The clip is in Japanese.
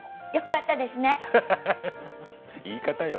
言い方よ。